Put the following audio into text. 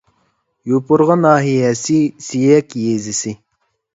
يوپۇرغا ناھىيەسى سىيەك يېزىسى